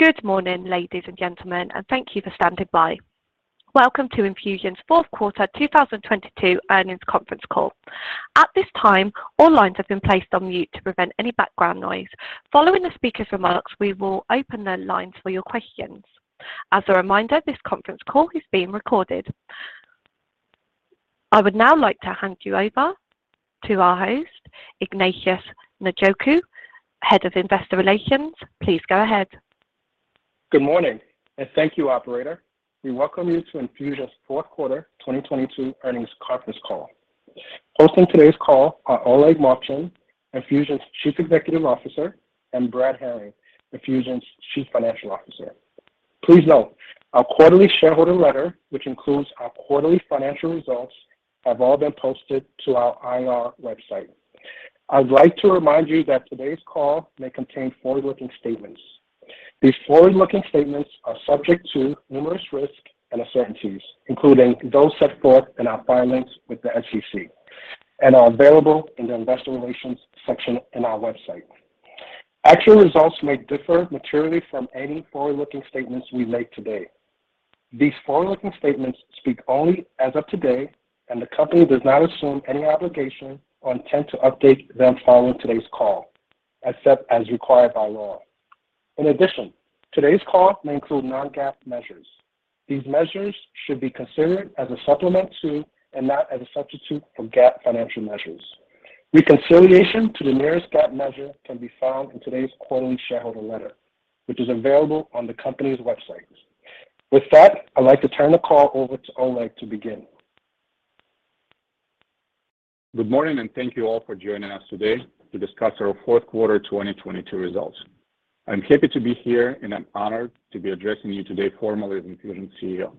Good morning, ladies and gentlemen, and thank you for standing by. Welcome to Enfusion's fourth quarter 2022 earnings conference call. At this time, all lines have been placed on mute to prevent any background noise. Following the speaker's remarks, we will open the lines for your questions. As a reminder, this conference call is being recorded. I would now like to hand you over to our host, Ignatius Njoku, Head of Investor Relations. Please go ahead. Good morning, thank you, Operator. We welcome you to Enfusion's fourth quarter 2022 earnings conference call. Hosting today's call are Oleg Movchan, Enfusion's Chief Executive Officer, and Brad Herring, Enfusion's Chief Financial Officer. Please note our quarterly shareholder letter, which includes our quarterly financial results, have all been posted to our IR website. I'd like to remind you that today's call may contain forward-looking statements. These forward-looking statements are subject to numerous risks and uncertainties, including those set forth in our filings with the SEC, and are available in the investor relations section in our website. Actual results may differ materially from any forward-looking statements we make today. These forward-looking statements speak only as of today, and the company does not assume any obligation or intent to update them following today's call, except as required by law. In addition, today's call may include non-GAAP measures. These measures should be considered as a supplement to, and not as a substitute for, GAAP financial measures. Reconciliation to the nearest GAAP measure can be found in today's quarterly shareholder letter, which is available on the company's website. With that, I'd like to turn the call over to Oleg to begin. Good morning. Thank you all for joining us today to discuss our fourth quarter 2022 results. I'm happy to be here, and I'm honored to be addressing you today formally as Enfusion's CEO.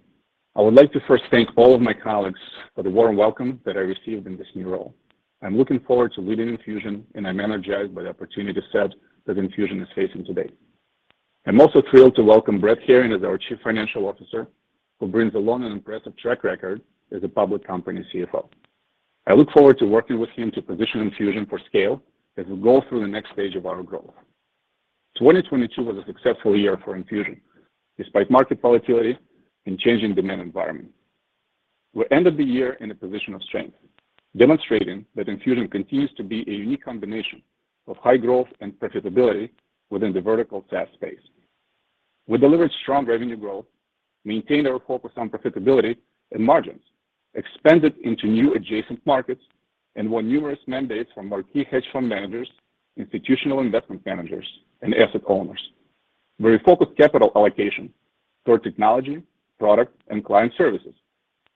I would like to first thank all of my colleagues for the warm welcome that I received in this new role. I'm looking forward to leading Enfusion, and I'm energized by the opportunity set that Enfusion is facing today. I'm also thrilled to welcome Brad Herring as our Chief Financial Officer, who brings a long and impressive track record as a public company CFO. I look forward to working with him to position Enfusion for scale as we go through the next stage of our growth. 2022 was a successful year for Enfusion, despite market volatility and changing demand environment. We ended the year in a position of strength, demonstrating that Enfusion continues to be a unique combination of high growth and profitability within the vertical SaaS space. We delivered strong revenue growth, maintained our focus on profitability and margins, expanded into new adjacent markets, and won numerous mandates from marquee hedge fund managers, institutional investment managers, and asset owners. We refocused capital allocation toward technology, product, and client services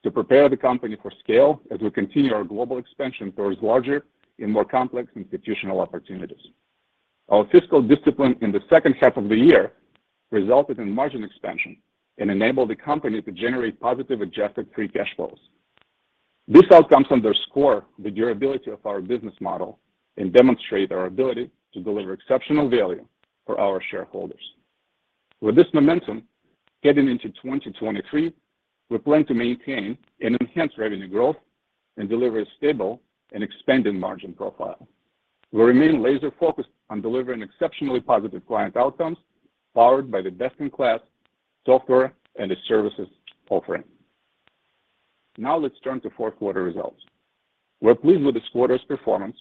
to prepare the company for scale as we continue our global expansion towards larger and more complex institutional opportunities. Our fiscal discipline in the second half of the year resulted in margin expansion and enabled the company to generate positive Adjusted Free Cash Flows. These outcomes underscore the durability of our business model and demonstrate our ability to deliver exceptional value for our shareholders. With this momentum, getting into 2023, we plan to maintain and enhance revenue growth and deliver a stable and expanding margin profile. We remain laser-focused on delivering exceptionally positive client outcomes powered by the best-in-class software and services offering. Let's turn to fourth quarter results. We're pleased with this quarter's performance,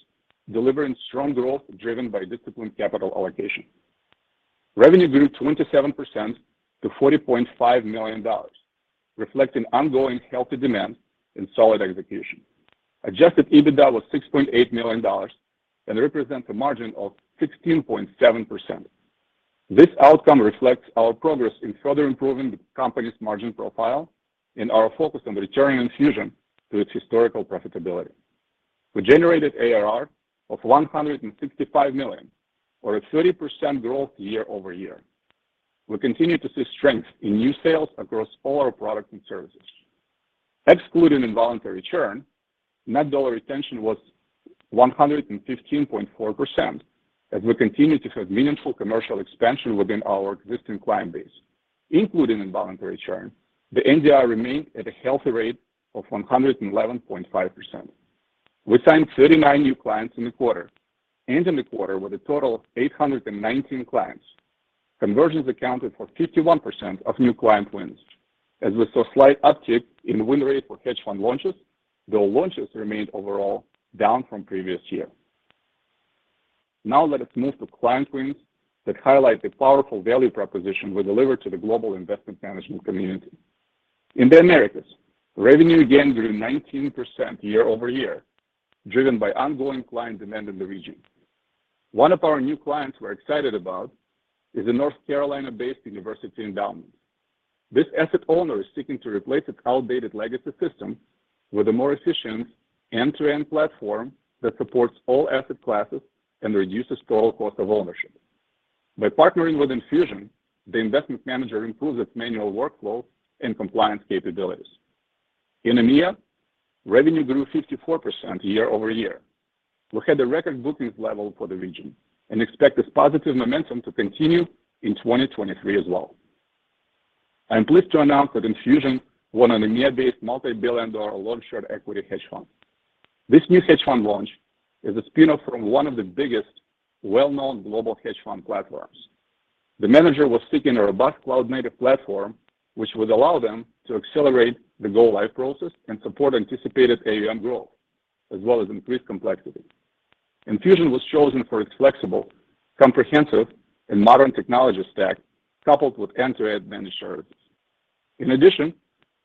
delivering strong growth driven by disciplined capital allocation. Revenue grew 27% to $40.5 million, reflecting ongoing healthy demand and solid execution. Adjusted EBITDA was $6.8 million and represents a margin of 16.7%. This outcome reflects our progress in further improving the company's margin profile and our focus on returning Enfusion to its historical profitability. We generated ARR of $165 million or a 30% growth year-over-year. We continue to see strength in new sales across all our products and services. Excluding involuntary churn, Net Dollar Retention was 115.4% as we continue to have meaningful commercial expansion within our existing client base. Including involuntary churn, the NDR remained at a healthy rate of 111.5%. We signed 39 new clients in the quarter. Ended the quarter with a total of 819 clients. Conversions accounted for 51% of new client wins as we saw slight uptick in win rate for hedge fund launches, though launches remained overall down from previous year. Let us move to client wins that highlight the powerful value proposition we deliver to the global investment management community. In the Americas, revenue again grew 19% year-over-year, driven by ongoing client demand in the region. One of our new clients we're excited about is a North Carolina-based university endowment. This asset owner is seeking to replace its outdated legacy system with a more efficient end-to-end platform that supports all asset classes and reduces total cost of ownership. By partnering with Enfusion, the investment manager improves its manual workflow and compliance capabilities. In EMEA, revenue grew 54% year-over-year. We had a record bookings level for the region and expect this positive momentum to continue in 2023 as well. I'm pleased to announce that Enfusion won an EMEA-based multi-billion dollar long/short equity hedge fund. This new hedge fund launch is a spin-off from one of the biggest well-known global hedge fund platforms. The manager was seeking a robust cloud-native platform which would allow them to accelerate the go-live process and support anticipated AUM growth, as well as increased complexity. Enfusion was chosen for its flexible, comprehensive, and modern technology stack, coupled with end-to-end managed services. In addition,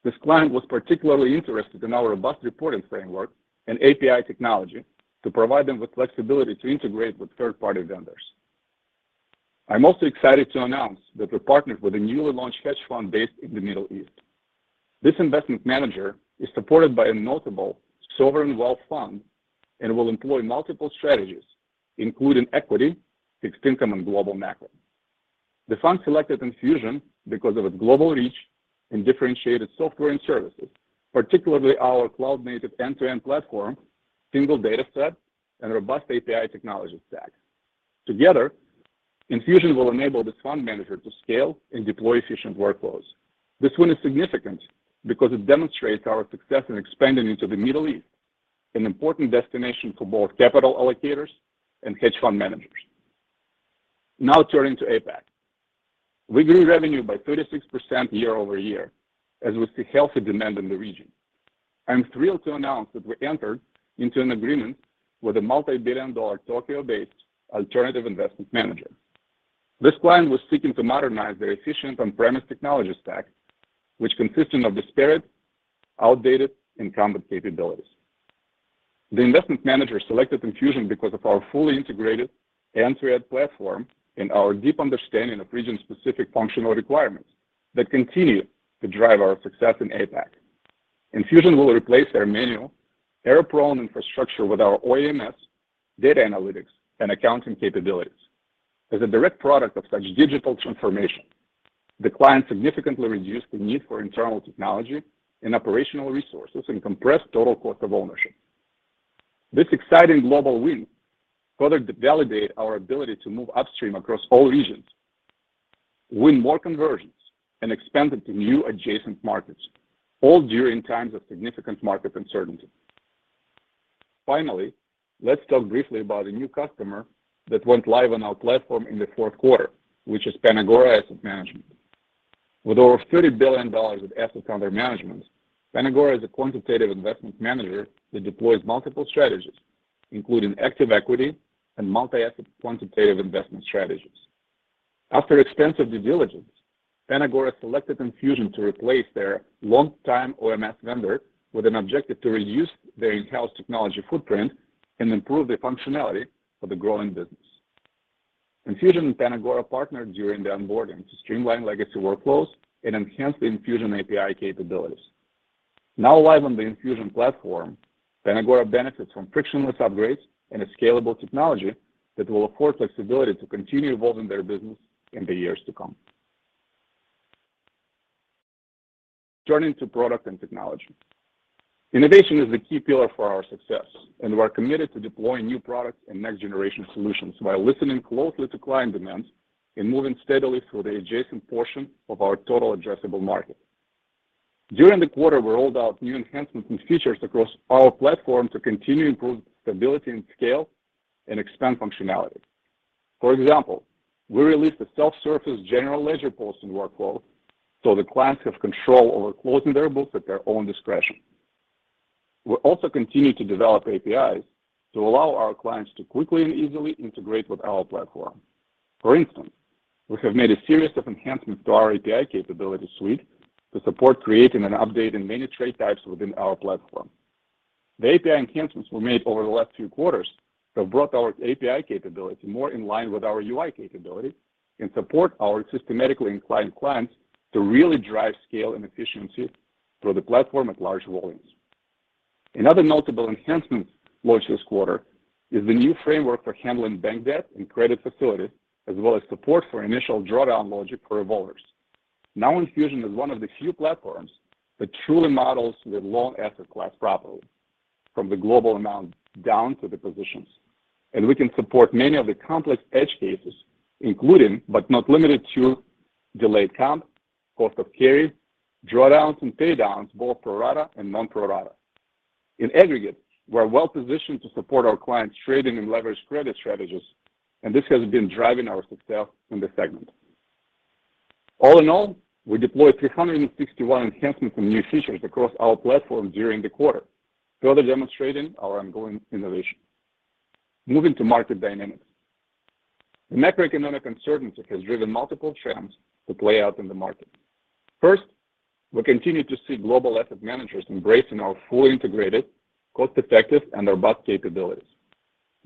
this client was particularly interested in our robust reporting framework and API technology to provide them with flexibility to integrate with third-party vendors. I'm also excited to announce that we partnered with a newly launched hedge fund based in the Middle East. This investment manager is supported by a notable sovereign wealth fund and will employ multiple strategies, including equity, fixed income, and global macro. The fund selected Enfusion because of its global reach and differentiated software and services, particularly our cloud-native end-to-end platform, single data set, and robust API technology stack. Together, Enfusion will enable this fund manager to scale and deploy efficient workflows. This win is significant because it demonstrates our success in expanding into the Middle East, an important destination for both capital allocators and hedge fund managers. Now, turning to APAC. We grew revenue by 36% year-over-year, as we see healthy demand in the region. I'm thrilled to announce that we entered into an agreement with a multi-billion dollar Tokyo-based alternative investment manager. This client was seeking to modernize their efficient on-premise technology stack, which consisted of disparate, outdated, and common capabilities. The investment manager selected Enfusion because of our fully integrated end-to-end platform and our deep understanding of region-specific functional requirements that continue to drive our success in APAC. Enfusion will replace their manual, error-prone infrastructure with our OMS data analytics and accounting capabilities. As a direct product of such digital transformation, the client significantly reduced the need for internal technology and operational resources and compressed total cost of ownership. This exciting global win further validate our ability to move upstream across all regions, win more conversions, and expand into new adjacent markets, all during times of significant market uncertainty. Let's talk briefly about a new customer that went live on our platform in the fourth quarter, which is PanAgora Asset Management. With over $30 billion of assets under management, PanAgora is a quantitative investment manager that deploys multiple strategies, including active equity and multi-asset quantitative investment strategies. After extensive due diligence, PanAgora selected Enfusion to replace their long-time OMS vendor with an objective to reduce their in-house technology footprint and improve the functionality of the growing business. Enfusion and PanAgora partnered during the onboarding to streamline legacy workflows and enhance the Enfusion API capabilities. Now live on the Enfusion platform, PanAgora benefits from frictionless upgrades and a scalable technology that will afford flexibility to continue evolving their business in the years to come. Turning to product and technology. Innovation is the key pillar for our success, and we're committed to deploying new products and next-generation solutions by listening closely to client demands and moving steadily through the adjacent portion of our total addressable market. During the quarter, we rolled out new enhancements and features across our platform to continue improving stability and scale and expand functionality. For example, we released a self-service General Ledger posting workflow, so the clients have control over closing their books at their own discretion. We're also continuing to develop APIs to allow our clients to quickly and easily integrate with our platform. For instance, we have made a series of enhancements to our API capability suite to support creating and updating many trade types within our platform. The API enhancements were made over the last two quarters have brought our API capability more in line with our UI capability and support our systematically inclined clients to really drive scale and efficiency through the platform at large volumes. Another notable enhancement launched this quarter is the new framework for handling bank debt and credit facilities, as well as support for initial drawdown logic for revolvers. Now Enfusion is one of the few platforms that truly models the loan asset class properly, from the global amount down to the positions, and we can support many of the complex edge cases, including, but not limited to delayed count, cost of carry, drawdowns and paydowns, both pro rata and non pro rata. In aggregate, we're well-positioned to support our clients' trading and leverage credit strategies. This has been driving our success in this segment. All in all, we deployed 361 enhancements and new features across our platform during the quarter, further demonstrating our ongoing innovation. Moving to market dynamics. The macroeconomic uncertainty has driven multiple trends to play out in the market. First, we continue to see global asset managers embracing our fully integrated, cost-effective, and robust capabilities.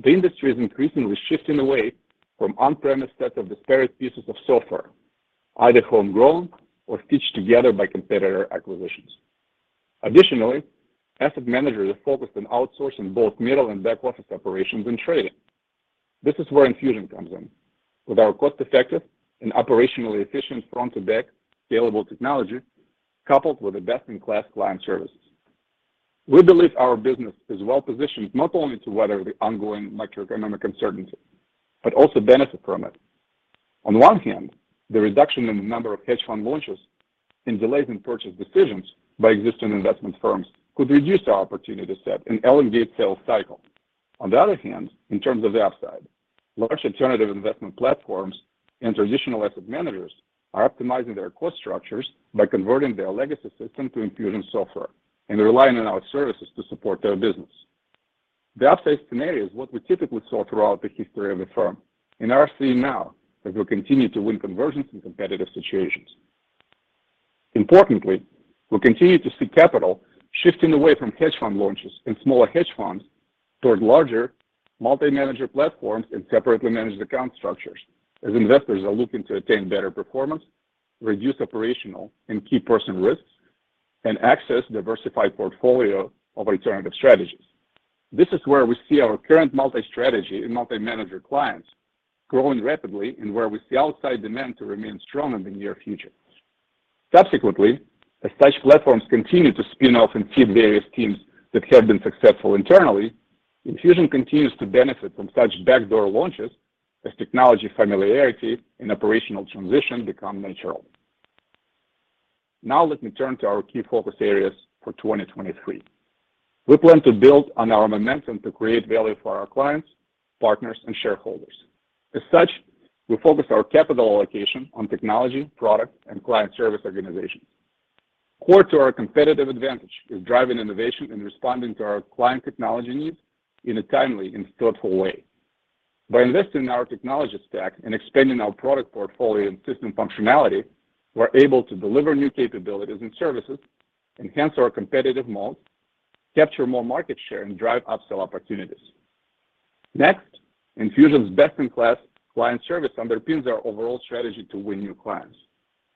The industry is increasingly shifting away from on-premise sets of disparate pieces of software, either homegrown or stitched together by competitor acquisitions. Asset managers are focused on outsourcing both middle and back-office operations and trading. This is where Enfusion comes in. With our cost-effective and operationally efficient front-to-back scalable technology, coupled with a best-in-class client services, we believe our business is well positioned not only to weather the ongoing macroeconomic uncertainty, but also benefit from it. On one hand, the reduction in the number of hedge fund launches and delays in purchase decisions by existing investment firms could reduce our opportunity set and elongate sales cycle. On the other hand, in terms of the upside, large alternative investment platforms and traditional asset managers are optimizing their cost structures by converting their legacy system to Enfusion software and relying on our services to support their business. The upside scenario is what we typically saw throughout the history of the firm, and our seeing now as we continue to win conversions in competitive situations. Importantly, we'll continue to see capital shifting away from hedge fund launches and smaller hedge funds toward larger multi-manager platforms and separately managed account structures as investors are looking to attain better performance, reduce operational and key person risks, and access diversified portfolio of alternative strategies. This is where we see our current multi-strategy and multi-manager clients growing rapidly and where we see outside demand to remain strong in the near future. As such platforms continue to spin off and feed various teams that have been successful internally, Enfusion continues to benefit from such backdoor launches as technology familiarity and operational transition become natural. Let me turn to our key focus areas for 2023. We plan to build on our momentum to create value for our clients, partners, and shareholders. We focus our capital allocation on technology, product, and client service organization. Core to our competitive advantage is driving innovation and responding to our client technology needs in a timely and thoughtful way. By investing in our technology stack and expanding our product portfolio and system functionality, we're able to deliver new capabilities and services, enhance our competitive moat, capture more market share, and drive upsell opportunities. Next, Enfusion's best-in-class client service underpins our overall strategy to win new clients.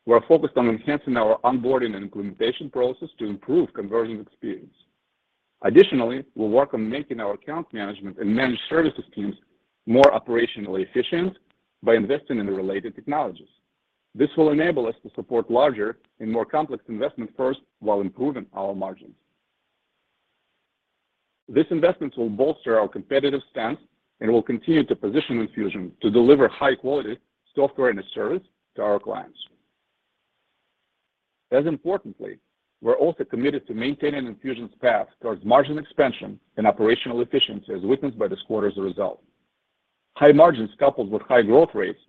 We're focused on enhancing our onboarding and implementation process to improve conversion experience. Additionally, we'll work on making our account management and managed services teams more operationally efficient by investing in the related technologies. This will enable us to support larger and more complex investment firms while improving our margins. This investment will bolster our competitive stance, and will continue to position Enfusion to deliver high-quality software and a service to our clients. As importantly, we're also committed to maintaining Enfusion's path towards margin expansion and operational efficiency, as witnessed by this quarter's result. High margins coupled with high growth rates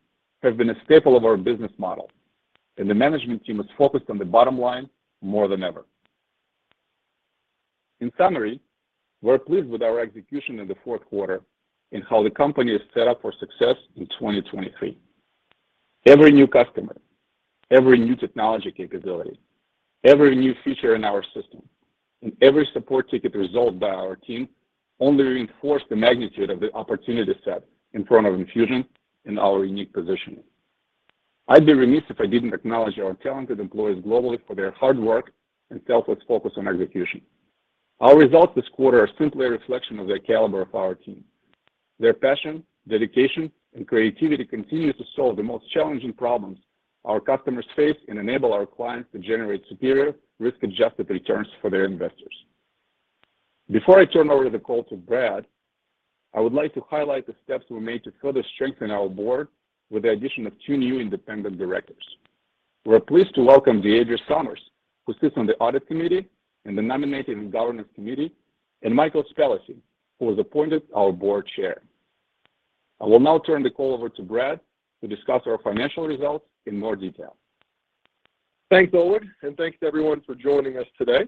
have been a staple of our business model, and the management team is focused on the bottom line more than ever. In summary, we're pleased with our execution in the fourth quarter and how the company is set up for success in 2023. Every new customer, every new technology capability, every new feature in our system, and every support ticket resolved by our team only reinforce the magnitude of the opportunity set in front of Enfusion and our unique positioning. I'd be remiss if I didn't acknowledge our talented employees globally for their hard work and selfless focus on execution. Our results this quarter are simply a reflection of the caliber of our team. Their passion, dedication, and creativity continue to solve the most challenging problems our customers face and enable our clients to generate superior risk-adjusted returns for their investors. Before I turn over the call to Brad, I would like to highlight the steps we made to further strengthen our board with the addition of two new independent directors. We're pleased to welcome Deirdre Somers, who sits on the Audit Committee and the Nominating and Governance Committee, and Michael Spellacy, who was appointed our Board Chair. I will now turn the call over to Brad to discuss our financial results in more detail. Thanks, Oleg. Thanks to everyone for joining us today.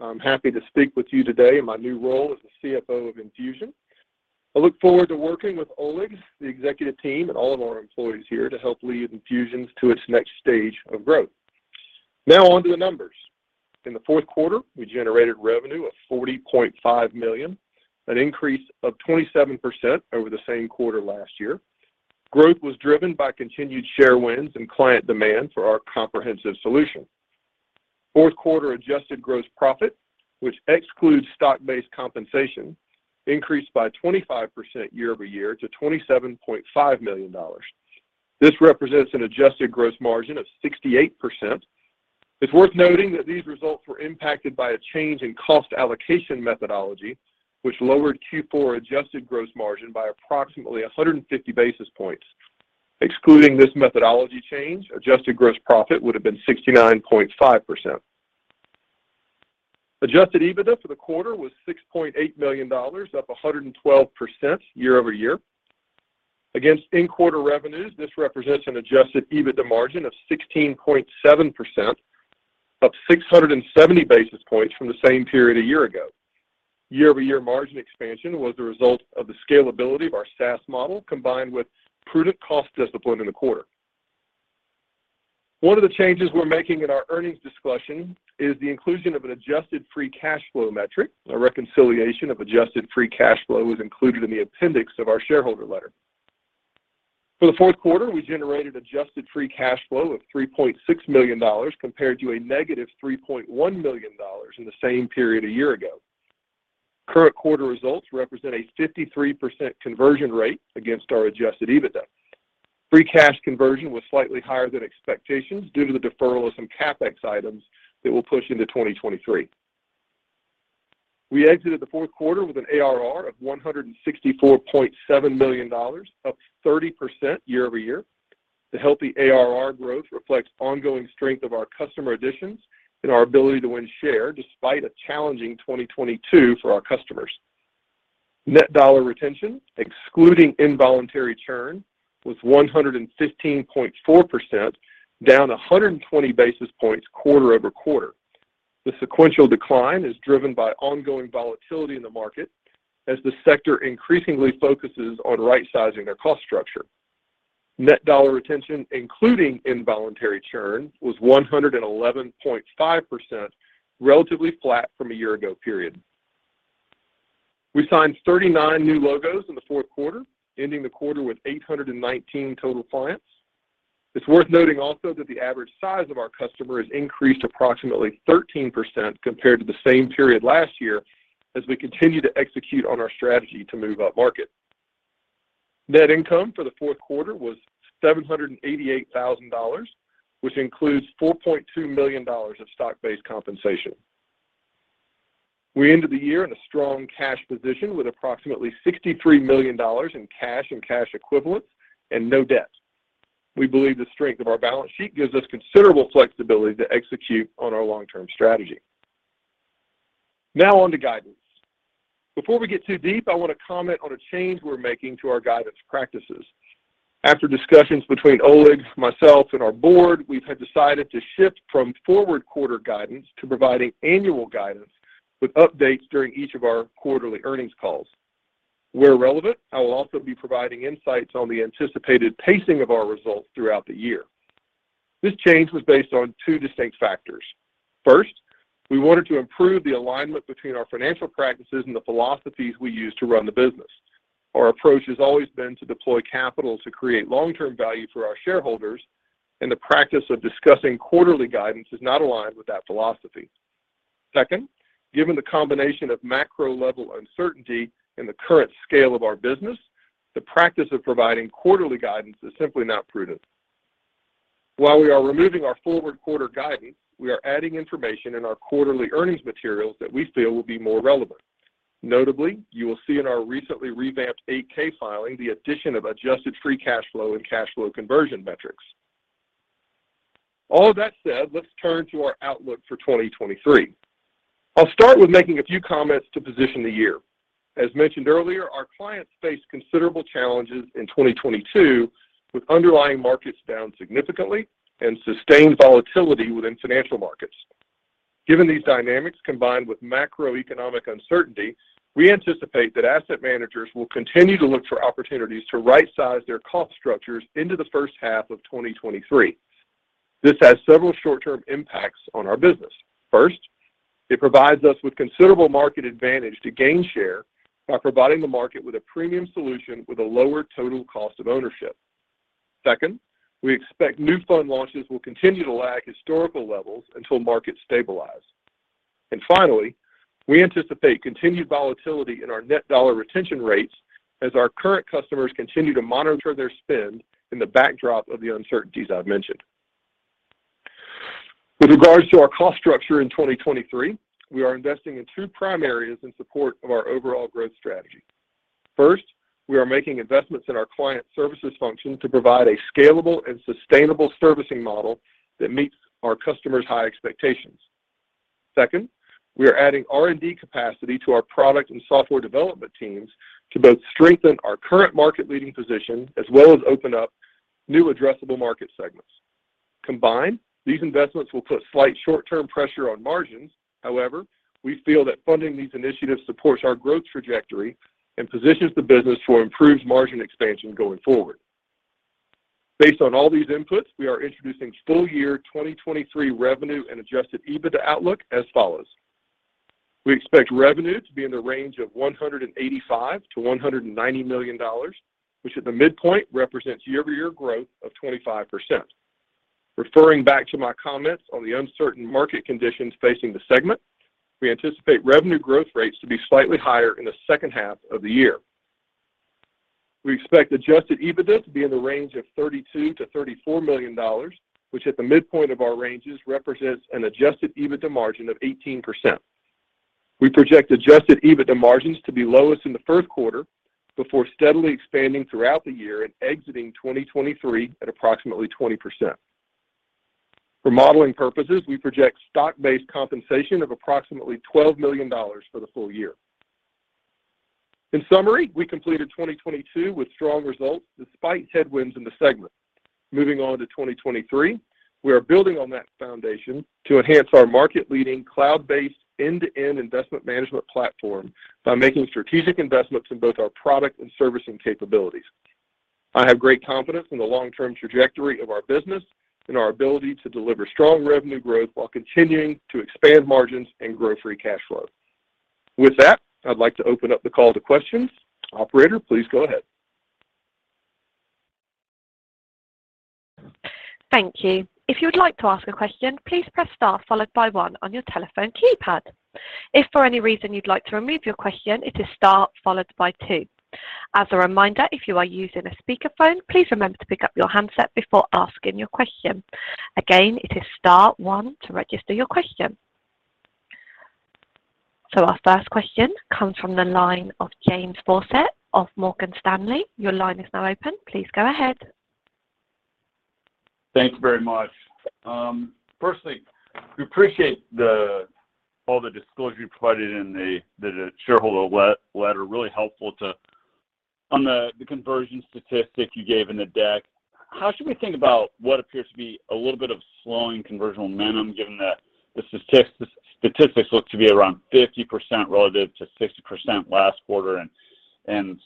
I'm happy to speak with you today in my new role as the CFO of Enfusion. I look forward to working with Oleg, the executive team, and all of our employees here to help lead Enfusion to its next stage of growth. On to the numbers. In the fourth quarter, we generated revenue of $40.5 million, an increase of 27% over the same quarter last year. Growth was driven by continued share wins and client demand for our comprehensive solution. Fourth quarter adjusted gross profit, which excludes stock-based compensation, increased by 25% year-over-year to $27.5 million. This represents an adjusted gross margin of 68%. It's worth noting that these results were impacted by a change in cost allocation methodology, which lowered Q4 adjusted gross margin by approximately 150 basis points. Excluding this methodology change, adjusted gross profit would have been 69.5%. Adjusted EBITDA for the quarter was $6.8 million, up 112% year-over-year. Against in-quarter revenues, this represents an Adjusted EBITDA margin of 16.7%, up 670 basis points from the same period a year ago. Year-over-year margin expansion was the result of the scalability of our SaaS model combined with prudent cost discipline in the quarter. One of the changes we're making in our earnings discussion is the inclusion of an Adjusted Free Cash Flow metric. A reconciliation of Adjusted Free Cash Flow is included in the appendix of our shareholder letter. For the fourth quarter, we generated Adjusted Free Cash Flow of $3.6 million compared to a negative $3.1 million in the same period a year ago. Current quarter results represent a 53% conversion rate against our Adjusted EBITDA. Free cash conversion was slightly higher than expectations due to the deferral of some CapEx items that will push into 2023. We exited the fourth quarter with an ARR of $164.7 million, up 30% year-over-year. The healthy ARR growth reflects ongoing strength of our customer additions and our ability to win share despite a challenging 2022 for our customers. Net Dollar Retention, excluding involuntary churn, was 115.4%, down 120 basis points quarter-over-quarter. The sequential decline is driven by ongoing volatility in the market as the sector increasingly focuses on rightsizing their cost structure. Net Dollar Retention, including involuntary churn, was 111.5%, relatively flat from a year ago period. We signed 39 new logos in the fourth quarter, ending the quarter with 819 total clients. It's worth noting also that the average size of our customer has increased approximately 13% compared to the same period last year as we continue to execute on our strategy to move upmarket. Net income for the fourth quarter was $788,000, which includes $4.2 million of stock-based compensation. We ended the year in a strong cash position with approximately $63 million in cash and cash equivalents and no debt. We believe the strength of our balance sheet gives us considerable flexibility to execute on our long-term strategy. Now on to guidance. Before we get too deep, I want to comment on a change we're making to our guidance practices. After discussions between Oleg, myself, and our Board, we have decided to shift from forward quarter guidance to providing annual guidance with updates during each of our quarterly earnings calls. Where relevant, I will also be providing insights on the anticipated pacing of our results throughout the year. This change was based on two distinct factors. First, we wanted to improve the alignment between our financial practices and the philosophies we use to run the business. Our approach has always been to deploy capital to create long-term value for our shareholders, and the practice of discussing quarterly guidance is not aligned with that philosophy. Second, given the combination of macro level uncertainty and the current scale of our business, the practice of providing quarterly guidance is simply not prudent. While we are removing our forward quarter guidance, we are adding information in our quarterly earnings materials that we feel will be more relevant. Notably, you will see in our recently revamped Form 8-K filing the addition of Adjusted Free Cash Flow and cash flow conversion metrics. All that said, let's turn to our outlook for 2023. I'll start with making a few comments to position the year. As mentioned earlier, our clients faced considerable challenges in 2022, with underlying markets down significantly and sustained volatility within financial markets. Given these dynamics, combined with macroeconomic uncertainty, we anticipate that asset managers will continue to look for opportunities to right-size their cost structures into the first half of 2023. This has several short-term impacts on our business. First, it provides us with considerable market advantage to gain share by providing the market with a premium solution with a lower total cost of ownership. Second, we expect new fund launches will continue to lag historical levels until markets stabilize. Finally, we anticipate continued volatility in our Net Dollar Retention rates as our current customers continue to monitor their spend in the backdrop of the uncertainties I've mentioned. With regards to our cost structure in 2023, we are investing in two prime areas in support of our overall growth strategy. First, we are making investments in our client services function to provide a scalable and sustainable servicing model that meets our customers' high expectations. Second, we are adding R&D capacity to our product and software development teams to both strengthen our current market-leading position as well as open up new addressable market segments. Combined, these investments will put slight short-term pressure on margins. However, we feel that funding these initiatives supports our growth trajectory and positions the business for improved margin expansion going forward. Based on all these inputs, we are introducing full year 2023 revenue and Adjusted EBITDA outlook as follows. We expect revenue to be in the range of $185 million-$190 million, which at the midpoint represents year-over-year growth of 25%. Referring back to my comments on the uncertain market conditions facing the segment, we anticipate revenue growth rates to be slightly higher in the second half of the year. We expect Adjusted EBITDA to be in the range of $32 million-$34 million, which at the midpoint of our ranges represents an Adjusted EBITDA margin of 18%. We project Adjusted EBITDA margins to be lowest in the first quarter before steadily expanding throughout the year and exiting 2023 at approximately 20%. For modeling purposes, we project stock-based compensation of approximately $12 million for the full year. In summary, we completed 2022 with strong results despite headwinds in the segment. Moving on to 2023, we are building on that foundation to enhance our market-leading cloud-based end-to-end investment management platform by making strategic investments in both our product and servicing capabilities. I have great confidence in the long-term trajectory of our business and our ability to deliver strong revenue growth while continuing to expand margins and grow free cash flow. With that, I'd like to open up the call to questions. Operator, please go ahead. Thank you. If you would like to ask a question, please press star followed by one on your telephone keypad. If for any reason you'd like to remove your question, it is star followed by two. As a reminder, if you are using a speakerphone, please remember to pick up your handset before asking your question. Again, it is star one to register your question. Our first question comes from the line of James Faucette of Morgan Stanley. Your line is now open. Please go ahead. Thanks very much. firstly, we appreciate all the disclosure you provided in the shareholder letter. Really helpful to... On the conversion statistic you gave in the deck, how should we think about what appears to be a little bit of slowing conversion momentum, given that the statistics look to be around 50% relative to 60% last quarter and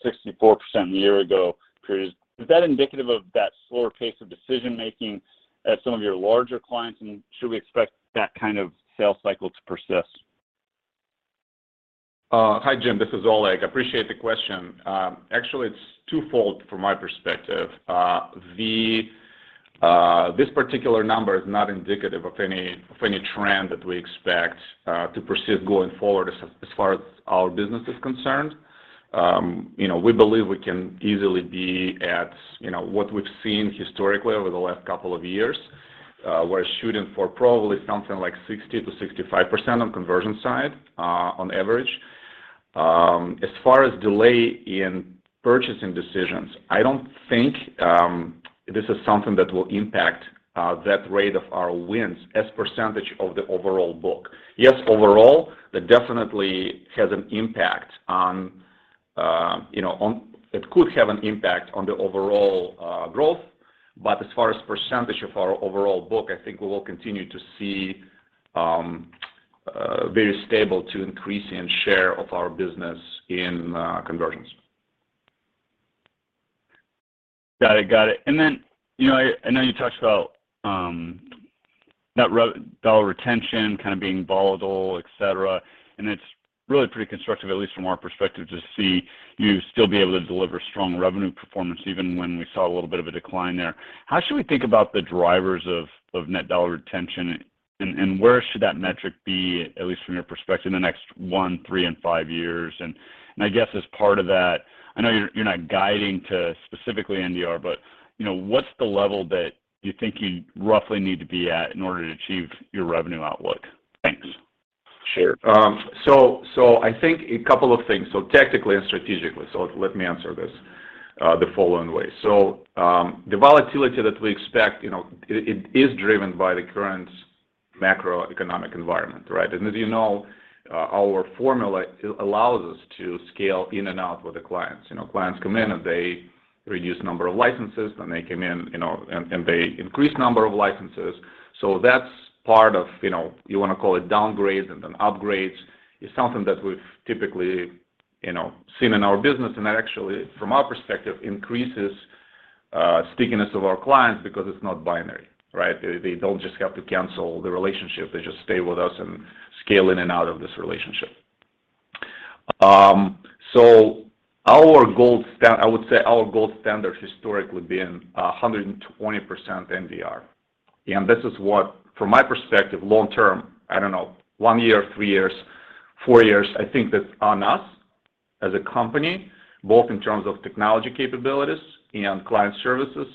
64% a year ago period. Is that indicative of that slower pace of decision making at some of your larger clients? Should we expect that kind of sales cycle to persist? Hi, Jim. This is Oleg. Appreciate the question. Actually, it's twofold from my perspective. The, this particular number is not indicative of any trend that we expect to pursue going forward as far as our business is concerned. You know, we believe we can easily be at, you know, what we've seen historically over the last couple of years, we're shooting for probably something like 60%-65% on conversion side on average. As far as delay in purchasing decisions, I don't think this is something that will impact that rate of our wins as % of the overall book. Overall, that definitely has an impact on, you know, It could have an impact on the overall growth. As far as percentage of our overall book, I think we will continue to see, very stable to increase in share of our business in, conversions. Got it. Got it. Then, you know, I know you touched about Net Dollar Retention kind of being volatile, et cetera. It's really pretty constructive, at least from our perspective, to see you still be able to deliver strong revenue performance even when we saw a little bit of a decline there. How should we think about the drivers of Net Dollar Retention and where should that metric be, at least from your perspective, in the next one, three and five years? I guess as part of that, I know you're not guiding to specifically NDR, but, you know, what's the level that you think you roughly need to be at in order to achieve your revenue outlook? Thanks. Sure. I think a couple of things, so tactically and strategically. Let me answer this the following way. The volatility that we expect, you know, it is driven by the current macroeconomic environment, right? As you know, our formula allows us to scale in and out with the clients. You know, clients come in and they reduce number of licenses, then they come in, you know, and they increase number of licenses. That's part of, you know, you wanna call it downgrades and then upgrades. It's something that we've typically, you know, seen in our business, and that actually from our perspective increases stickiness of our clients because it's not binary, right? They don't just have to cancel the relationship. They just stay with us and scale in and out of this relationship. Our gold standard historically being 120% NDR. This is what, from my perspective, long term, I don't know, one year, three years, four years, I think that's on us as a company, both in terms of technology capabilities and client services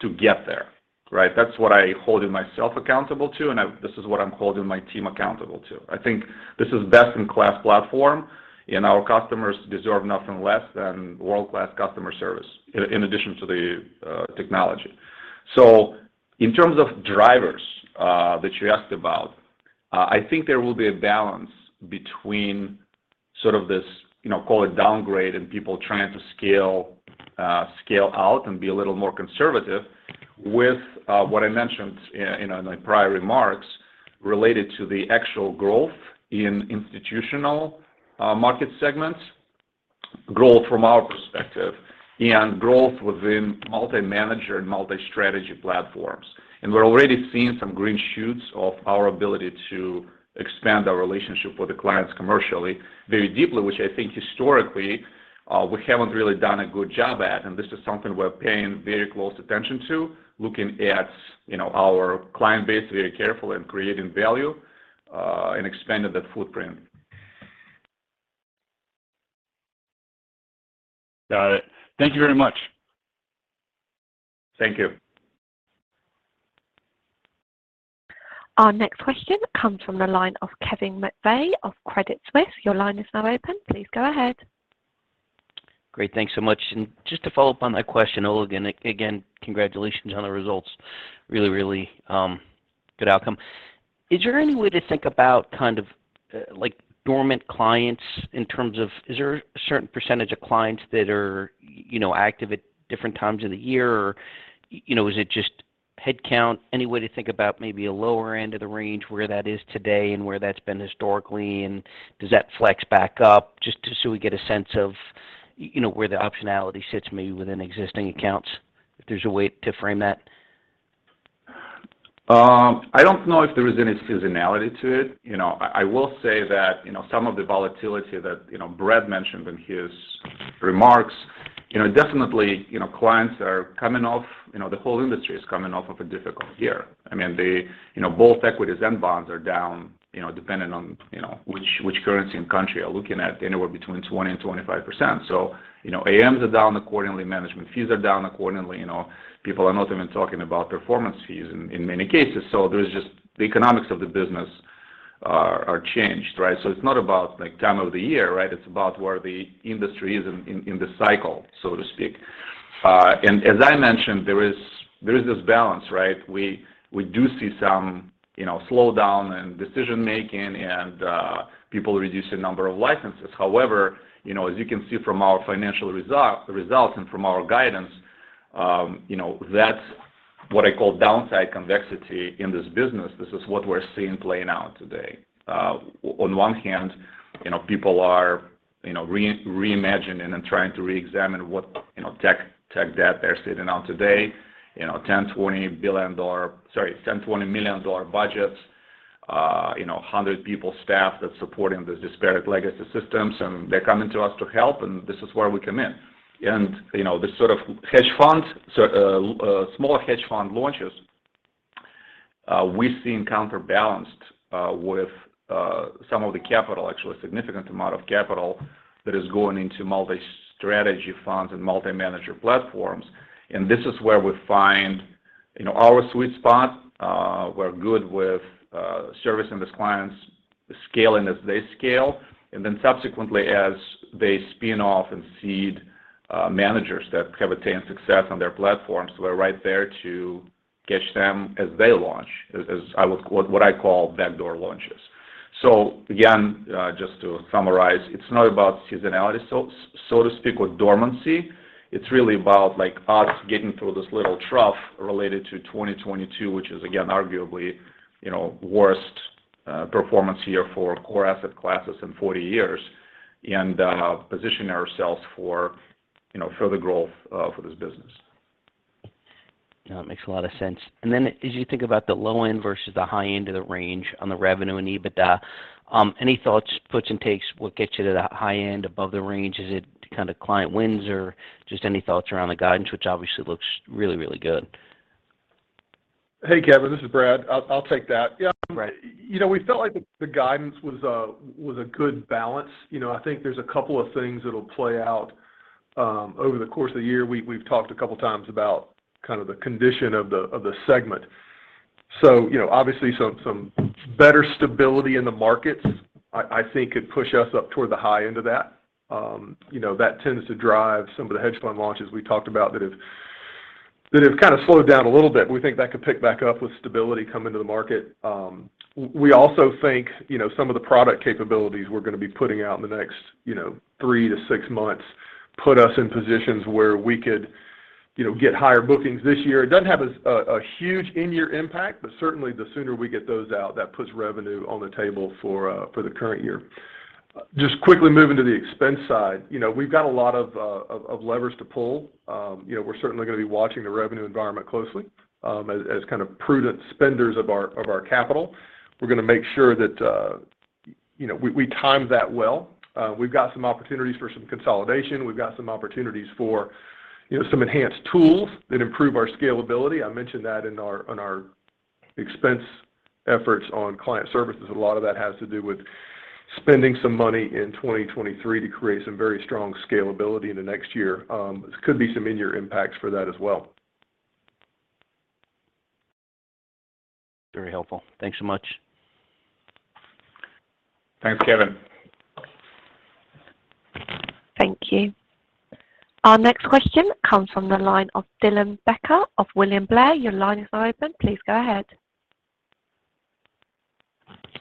to get there, right? That's what I hold myself accountable to, and this is what I'm holding my team accountable to. I think this is best in class platform, and our customers deserve nothing less than world-class customer service in addition to the technology. In terms of drivers, that you asked about, I think there will be a balance between sort of this, you know, call it downgrade and people trying to scale out and be a little more conservative with, what I mentioned in my prior remarks related to the actual growth in institutional, market segments, growth from our perspective, and growth within multi-manager and multi-strategy platforms. We're already seeing some green shoots of our ability to expand our relationship with the clients commercially very deeply, which I think historically, we haven't really done a good job at. This is something we're paying very close attention to, looking at, you know, our client base very carefully and creating value, and expanding that footprint. Got it. Thank you very much. Thank you. Our next question comes from the line of Kevin McVeigh of Credit Suisse. Your line is now open. Please go ahead. Great. Thanks so much. Just to follow up on that question, Oleg, again, congratulations on the results. Really, good outcome. Is there any way to think about kind of, like dormant clients in terms of is there a certain percentage of clients that are, you know, active at different times of the year? Or, you know, is it just head count? Any way to think about maybe a lower end of the range, where that is today and where that's been historically, and does that flex back up just so we get a sense of, you know, where the optionality sits maybe within existing accounts, if there's a way to frame that? I don't know if there is any seasonality to it. I will say that, you know, some of the volatility that, you know, Brad mentioned in his remarks, you know, definitely, you know, clients are coming off, you know, the whole industry is coming off of a difficult year. I mean, the, you know, both equities and bonds are down, you know, dependent on, you know, which currency and country you're looking at, anywhere between 20% and 25%. AMs are down accordingly, management fees are down accordingly. People are not even talking about performance fees in many cases. There's just the economics of the business are changed, right? It's not about like time of the year, right? It's about where the industry is in the cycle, so to speak. As I mentioned, there is this balance, right? We do see some, you know, slowdown in decision-making and people reducing the number of licenses. However, you know, as you can see from our financial results and from our guidance, you know, that's what I call downside convexity in this business. This is what we're seeing playing out today. On one hand, you know, people are, you know, reimagining and trying to reexamine what, you know, tech debt they're sitting on today. You know, $10 million-$20 million budgets, you know, 100 people staff that's supporting the disparate legacy systems, and they're coming to us to help, and this is where we come in. You know, the sort of hedge funds, so smaller hedge fund launches, we've seen counterbalanced with some of the capital, actually a significant amount of capital that is going into multi-strategy funds and multi-manager platforms. This is where we find, you know, our sweet spot. We're good with servicing these clients, scaling as they scale, and then subsequently as they spin off and cede managers that have attained success on their platforms, we're right there to catch them as they launch, as I would what I call backdoor launches. Again, just to summarize, it's not about seasonality, so to speak, or dormancy. It's really about, like, us getting through this little trough related to 2022, which is again, arguably, you know, worst performance year for core asset classes in 40 years and positioning ourselves for, you know, further growth for this business. No, it makes a lot of sense. As you think about the low end versus the high end of the range on the revenue and EBITDA, any thoughts, puts and takes, what gets you to that high end above the range? Is it kind of client wins or just any thoughts around the guidance, which obviously looks really, really good. Hey, Kevin, this is Brad. I'll take that. Yeah. Great. You know, we felt like the guidance was a good balance. You know, I think there's a couple of things that'll play out over the course of the year. We've talked a couple of times about kind of the condition of the segment. You know, obviously some better stability in the markets I think could push us up toward the high end of that. You know, that tends to drive some of the hedge fund launches we talked about that have kind of slowed down a little bit. We think that could pick back up with stability coming to the market. We also think, you know, some of the product capabilities we're gonna be putting out in the next, you know, three to six months put us in positions where we could, you know, get higher bookings this year. It doesn't have a huge in-year impact, but certainly the sooner we get those out, that puts revenue on the table for the current year. Just quickly moving to the expense side. You know, we've got a lot of levers to pull. You know, we're certainly gonna be watching the revenue environment closely, as kind of prudent spenders of our capital. We're gonna make sure that, you know, we time that well. We've got some opportunities for some consolidation. We've got some opportunities for, you know, some enhanced tools that improve our scalability. I mentioned that in our expense efforts on client services. A lot of that has to do with spending some money in 2023 to create some very strong scalability in the next year. There could be some in-year impacts for that as well. Very helpful. Thanks so much. Thanks, Kevin. Thank you. Our next question comes from the line of Dylan Becker of William Blair. Your line is now open. Please go ahead.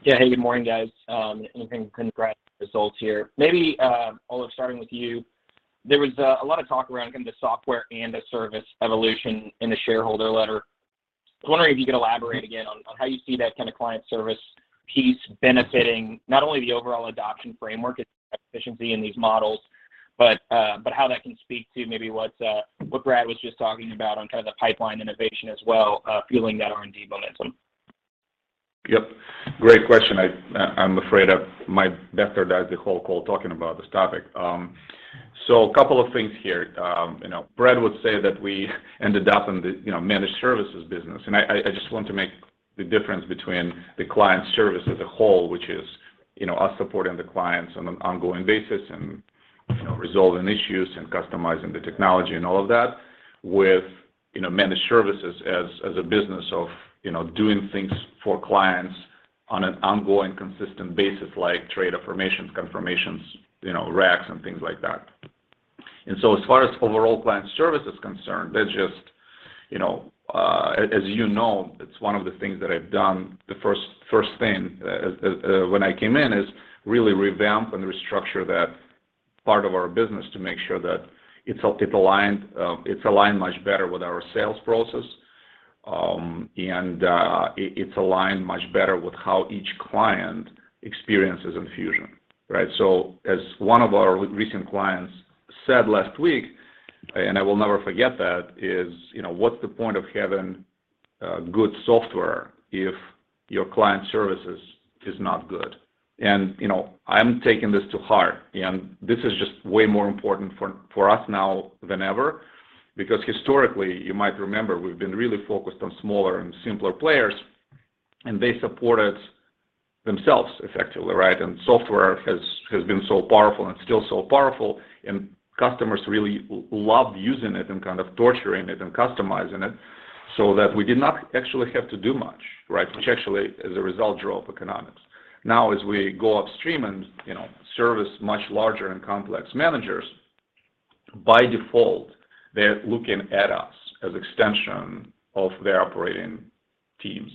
Hey, good morning, guys. Congrats on the results here. Maybe, Oleg, starting with you, there was a lot of talk around kind of the software and the service evolution in the shareholder letter. I was wondering if you could elaborate again on how you see that kind of client service piece benefiting not only the overall adoption framework, its efficiency in these models, but how that can speak to maybe what Brad was just talking about on kind of the pipeline innovation as well, fueling that R&D momentum. Yep. Great question. I'm afraid I might bastardize the whole call talking about this topic. So a couple of things here. You know, Brad would say that we ended up in the, you know, managed services business, and I just want to make the difference between the client service as a whole, which is, you know, us supporting the clients on an ongoing basis and, you know, resolving issues and customizing the technology and all of that with, you know, managed services as a business of, you know, doing things for clients on an ongoing consistent basis like trade affirmations, confirmations, you know, racks and things like that. As far as overall client service is concerned, that's just, you know, as you know, it's one of the things that I've done. The first thing when I came in is really revamp and restructure that part of our business to make sure that it aligned much better with our sales process and it's aligned much better with how each client experiences Enfusion, right? As one of our recent clients said last week, and I will never forget that, is, you know, what's the point of having good software if your client services is not good? You know, I'm taking this to heart, and this is just way more important for us now than ever because historically, you might remember, we've been really focused on smaller and simpler players, and they supported themselves effectively, right? Software has been so powerful and still so powerful, customers really loved using it and kind of torturing it and customizing it, so that we did not actually have to do much, right? Which actually, as a result, drove economics. Now, as we go upstream and, you know, service much larger and complex managers, by default, they're looking at us as extension of their operating teams.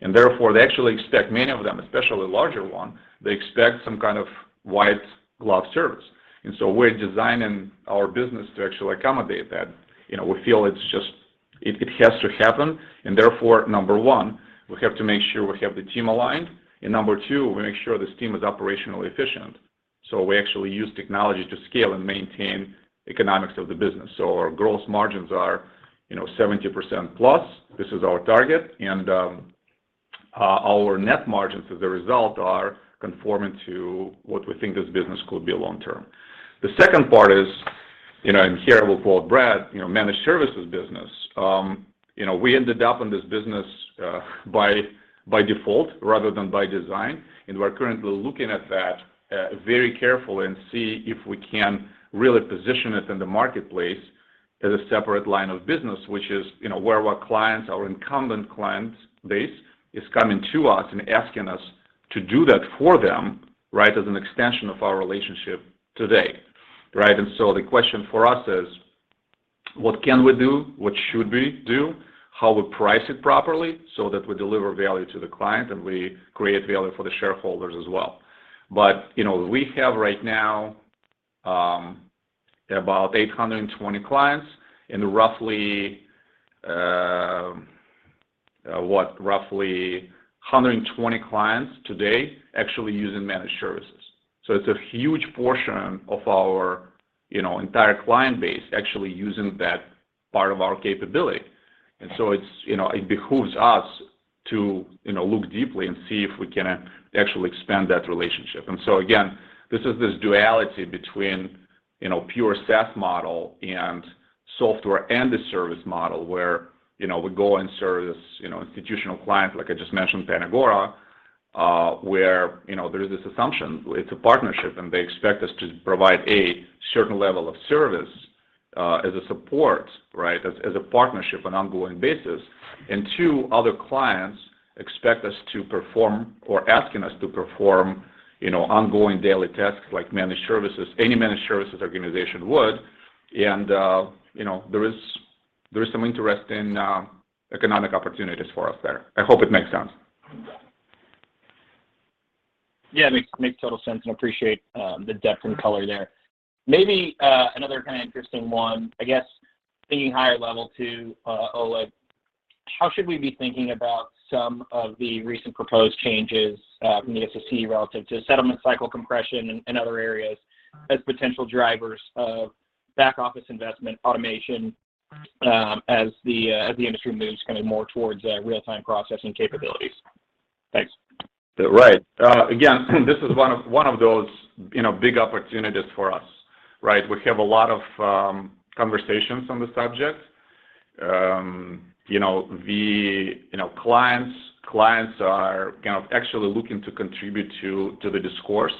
They actually expect many of them, especially larger one, they expect some kind of white glove service. We're designing our business to actually accommodate that. You know, we feel it's just it has to happen, number one, we have to make sure we have the team aligned. Number two, we make sure this team is operationally efficient. We actually use technology to scale and maintain economics of the business. Our gross margins are, you know, 70% plus. This is our target. Our net margins as a result are conforming to what we think this business could be long term. The second part is, you know, here I will quote Brad, you know, managed services business. You know, we ended up in this business, by default rather than by design. We're currently looking at that very carefully and see if we can really position it in the marketplace as a separate line of business, which is, you know, where our clients, our incumbent client base is coming to us and asking us to do that for them, right? As an extension of our relationship today, right? The question for us is, what can we do? What should we do? How we price it properly so that we deliver value to the client, and we create value for the shareholders as well. You know, we have right now about 820 clients and roughly 120 clients today actually using managed services. It's a huge portion of our, you know, entire client base actually using that part of our capability. It's, you know, it behooves us to, you know, look deeply and see if we can actually expand that relationship. Again, this is this duality between, you know, pure SaaS model and software and the service model where, you know, we go and service, you know, institutional clients, like I just mentioned, PanAgora, where, you know, there is this assumption it's a partnership, and they expect us to provide, A, certain level of service as a support, right, as a partnership on ongoing basis. Two, other clients expect us to perform or asking us to perform, you know, ongoing daily tasks like managed services, any managed services organization would. You know, there is some interest in economic opportunities for us there. I hope it makes sense. Yeah, it makes total sense, and appreciate the depth and color there. Maybe another kind of interesting one, I guess thinking higher level too, Oleg. How should we be thinking about some of the recent proposed changes from the SEC relative to settlement cycle compression and other areas as potential drivers of back office investment automation as the industry moves kind of more towards real-time processing capabilities? Thanks. Right. Again, this is one of those, you know, big opportunities for us, right? We have a lot of conversations on the subject. You know, the, you know, clients are kind of actually looking to contribute to the discourse.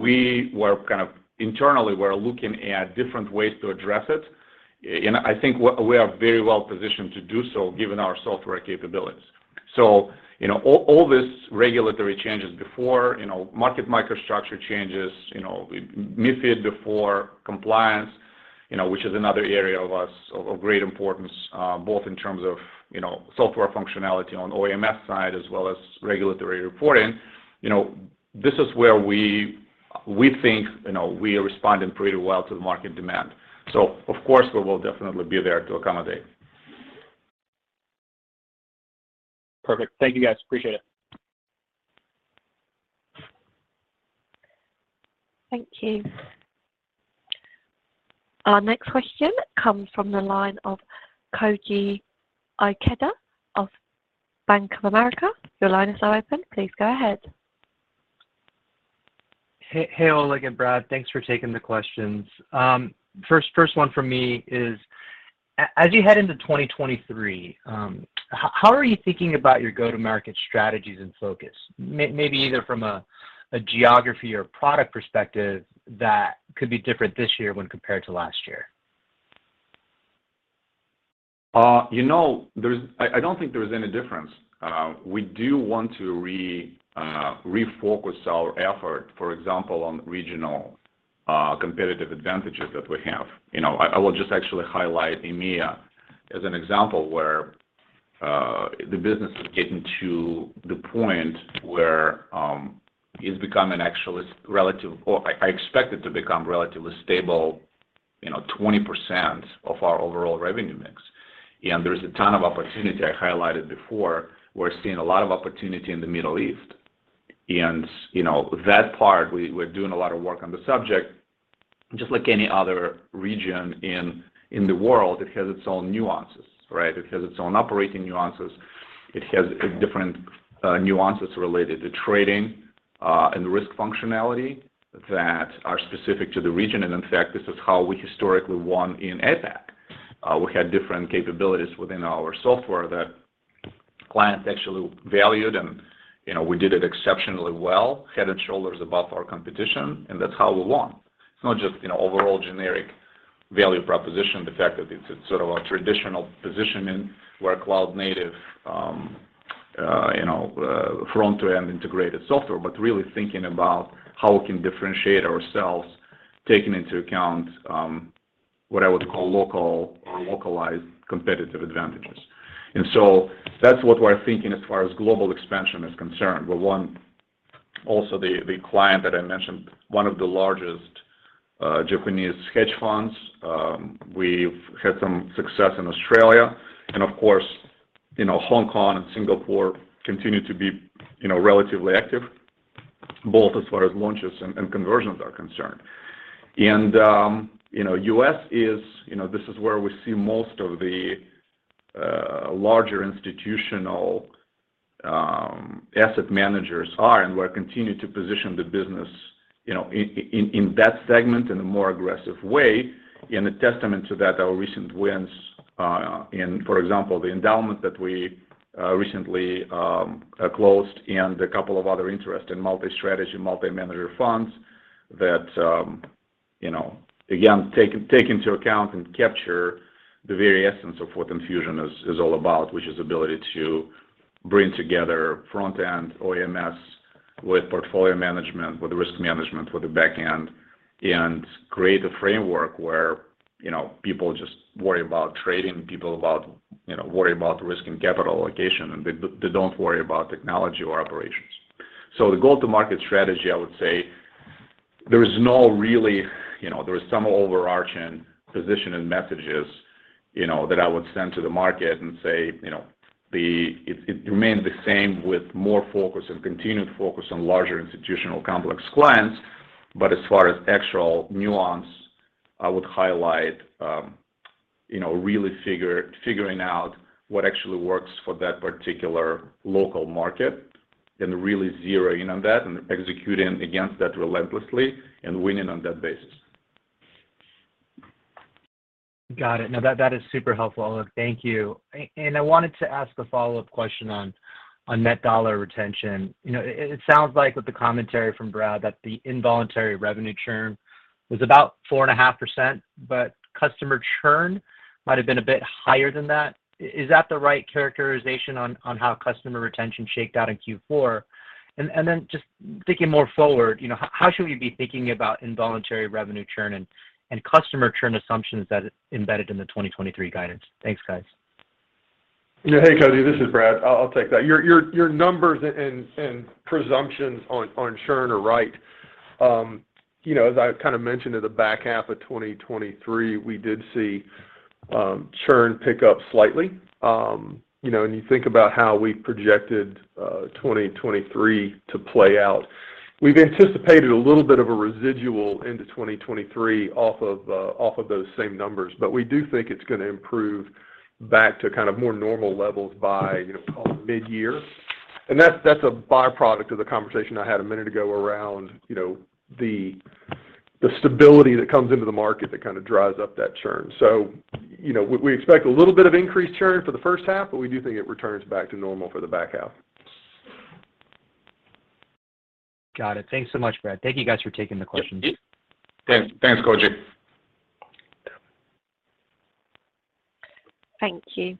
We were kind of internally, we're looking at different ways to address it. I think we are very well positioned to do so given our software capabilities. All these regulatory changes before, you know, market microstructure changes, you know, MiFID before compliance, you know, which is another area of great importance, both in terms of, you know, software functionality on OMS side as well as regulatory reporting. You know, this is where we think, you know, we are responding pretty well to the market demand. Of course, we will definitely be there to accommodate. Perfect. Thank you, guys. Appreciate it. Thank you. Our next question comes from the line of Koji Ikeda of Bank of America. Your line is now open. Please go ahead. Hey, Oleg and Brad. Thanks for taking the questions. first one for me is as you head into 2023, how are you thinking about your go-to-market strategies and focus? maybe either from a geography or product perspective that could be different this year when compared to last year. you know, there's I don't think there's any difference. we do want to refocus our effort, for example, on regional, competitive advantages that we have. You know, I will just actually highlight EMEA as an example where, the business is getting to the point where, it's become an actually relative or I expect it to become relatively stable, you know, 20% of our overall revenue mix. There is a ton of opportunity I highlighted before. We're seeing a lot of opportunity in the Middle East. You know, that part we're doing a lot of work on the subject. Just like any other region in the world, it has its own nuances, right? It has its own operating nuances, it has different nuances related to trading and risk functionality that are specific to the region. In fact, this is how we historically won in APAC. We had different capabilities within our software that clients actually valued and, you know, we did it exceptionally well, head and shoulders above our competition, and that's how we won. It's not just, you know, overall generic value proposition, the fact that it's sort of a traditional position in where cloud-native, you know, front to end integrated software, but really thinking about how we can differentiate ourselves, taking into account, what I would call local or localized competitive advantages. That's what we're thinking as far as global expansion is concerned. We won also the client that I mentioned, one of the largest Japanese hedge funds. We've had some success in Australia, and of course, you know, Hong Kong and Singapore continue to be, you know, relatively active both as far as launches and conversions are concerned. You know, U.S. is, you know, this is where we see most of the larger institutional asset managers are, and we're continuing to position the business, you know, in that segment in a more aggressive way. A testament to that, our recent wins in, for example, the endowment that we recently closed and a couple of other interest in multi-strategy, multi-manager funds that, you know, again, take into account and capture the very essence of what Enfusion is all about, which is ability to bring together front end OMS with portfolio management, with risk management, with the back end, and create a framework where, you know, people just worry about trading people, about, you know, worry about risk and capital allocation, and they don't worry about technology or operations. The go-to-market strategy, I would say there is no really, you know, there is some overarching position and messages, you know, that I would send to the market and say, you know, it remained the same with more focus and continued focus on larger institutional complex clients. As far as actual nuance, I would highlight, you know, really figuring out what actually works for that particular local market and really zeroing in on that and executing against that relentlessly and winning on that basis. Got it. No, that is super helpful, Oleg. Thank you. I wanted to ask a follow-up question on Net Dollar Retention. You know, it sounds like with the commentary from Brad that the involuntary revenue churn was about 4.5%, but customer churn might have been a bit higher than that. Is that the right characterization on how customer retention shaked out in Q4? Then just thinking more forward, you know, how should we be thinking about involuntary revenue churn and customer churn assumptions that are embedded in the 2023 guidance? Thanks, guys. Yeah. Hey, Koji, this is Brad. I'll take that. Your numbers and presumptions on churn are right. You know, as I kind of mentioned at the back half of 2023, we did see churn pick up slightly. You know, you think about how we projected 2023 to play out. We've anticipated a little bit of a residual into 2023 off of those same numbers. We do think it's gonna improve back to kind of more normal levels by, you know, call it midyear. That's, that's a by-product of the conversation I had a minute ago around, you know, the stability that comes into the market that kind of dries up that churn. You know, we expect a little bit of increased churn for the first half, but we do think it returns back to normal for the back half. Got it. Thanks so much, Brad. Thank you guys for taking the questions. Yeah. Thanks. Thanks, Koji. Thank you.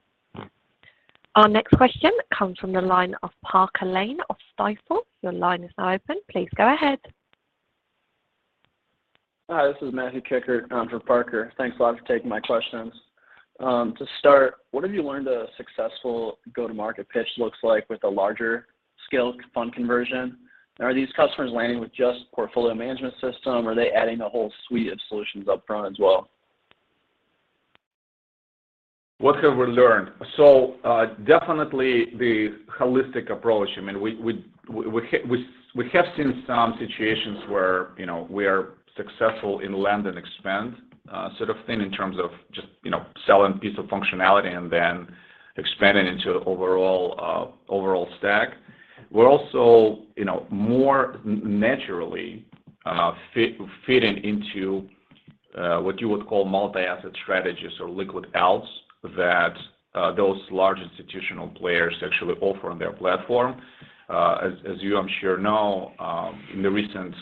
Our next question comes from the line of Parker Lane of Stifel. Your line is now open. Please go ahead. Hi, this is Matthew Kikkert on for Parker. Thanks a lot for taking my questions. To start, what have you learned a successful go-to-market pitch looks like with a larger scale fund conversion? Are these customers landing with just portfolio management system? Are they adding a whole suite of solutions up front as well? What have we learned? Definitely the holistic approach. I mean, we have seen some situations where, you know, we are successful in land and expand sort of thing in terms of just, you know, selling piece of functionality and then expanding into overall overall stack. We're also, you know, more naturally fitting into what you would call multi-asset strategies or liquid alts that those large institutional players actually offer on their platform. As, as you I'm sure know, in the recent,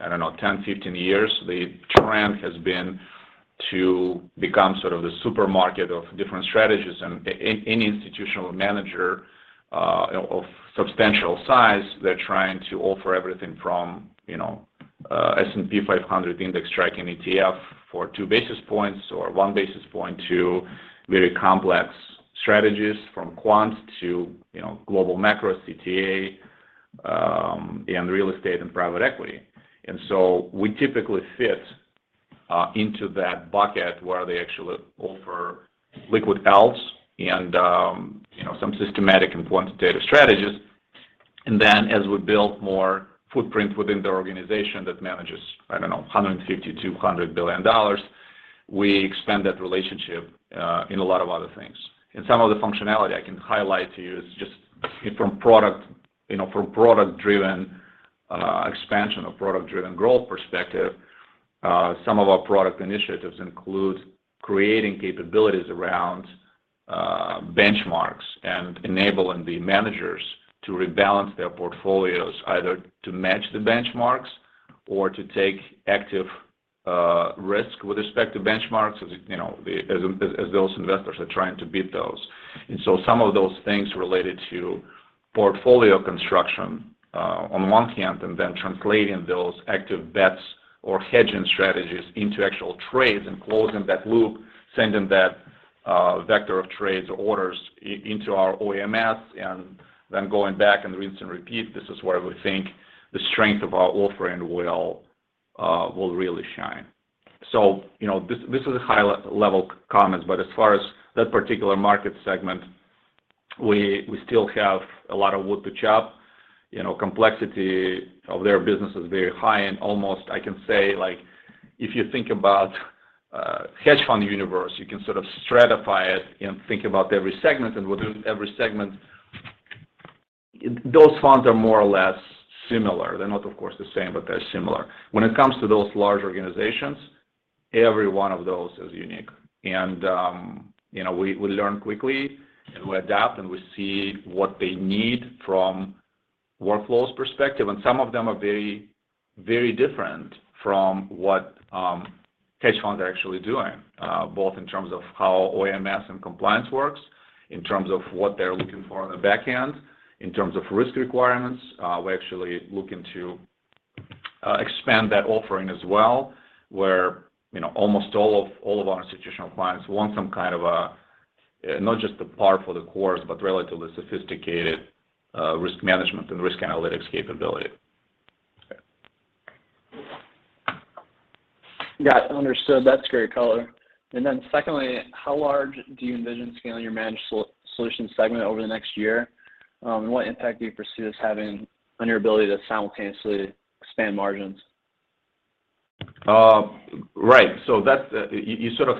I don't know, 10, 15 years, the trend has been to become sort of the supermarket of different strategies. Any institutional manager of substantial size, they're trying to offer everything from, you know, S&P 500 index tracking ETF for 2 basis points or 1 basis point to very complex strategies from quant to, you know, global macro CTA, and real estate and private equity. We typically fit into that bucket where they actually offer liquid alts and, you know, some systematic and quantitative strategies. As we build more footprint within the organization that manages, I don't know, $150 billion-$200 billion, we expand that relationship in a lot of other things. Some of the functionality I can highlight to you is just from product, you know, from product-driven expansion or product-driven growth perspective, some of our product initiatives include creating capabilities around benchmarks and enabling the managers to rebalance their portfolios either to match the benchmarks or to take active risk with respect to benchmarks as, you know, as those investors are trying to beat those. Some of those things related to portfolio construction, on one hand and then translating those active bets or hedging strategies into actual trades and closing that loop, sending that vector of trades or orders into our OMS and then going back and rinse and repeat, this is where we think the strength of our offering will really shine. You know, this is a high-level comment, but as far as that particular market segment, we still have a lot of wood to chop. You know, complexity of their business is very high and almost I can say like if you think about hedge fund universe, you can sort of stratify it and think about every segment and within every segment, those funds are more or less similar. They're not, of course, the same, but they're similar. When it comes to those large organizations, every one of those is unique. You know, we learn quickly and we adapt and we see what they need from workflow perspective. Some of them are very, very different from what hedge funds are actually doing, both in terms of how OMS and compliance works, in terms of what they're looking for on the back end, in terms of risk requirements. We're actually looking to expand that offering as well, where, you know, almost all of our institutional clients want some kind of a, not just the par for the course, but relatively sophisticated, risk management and risk analytics capability. Got it. Understood. That's great color. Secondly, how large do you envision scaling your managed solution segment over the next year? What impact do you foresee this having on your ability to simultaneously expand margins? Right. You sort of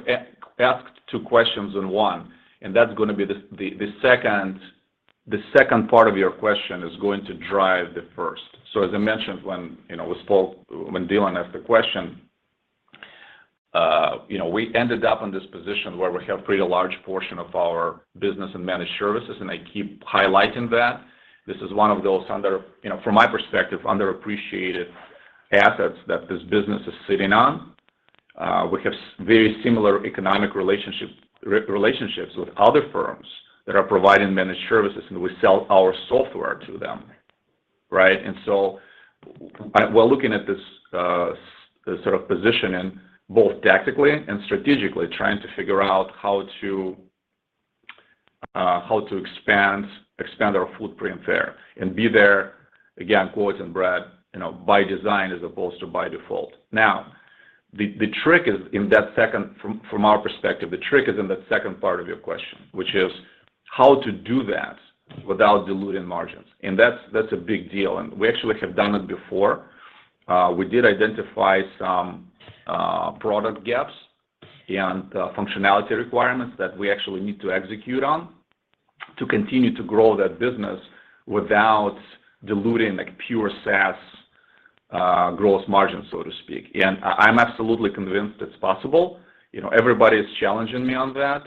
asked two questions in one, and that's going to be the second part of your question is going to drive the first. As I mentioned when, you know, with Paul, when Dylan asked the question, you know, we ended up in this position where we have created a large portion of our business in managed services, and I keep highlighting that. This is one of those under, you know, from my perspective, underappreciated assets that this business is sitting on. We have very similar economic relationship, relationships with other firms that are providing managed services, and we sell our software to them, right? We're looking at this sort of position and both tactically and strategically trying to figure out how to expand our footprint there and be there, again, quoting Brad, you know, by design as opposed to by default. The, the trick is in that second, from our perspective, the trick is in that second part of your question, which is how to do that without diluting margins. That's a big deal. We actually have done it before. We did identify some product gaps and functionality requirements that we actually need to execute on to continue to grow that business without diluting the pure SaaS gross margin, so to speak. I'm absolutely convinced it's possible. You know, everybody is challenging me on that.